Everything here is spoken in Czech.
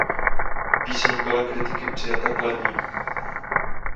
Píseň byla kritiky přijata kladně.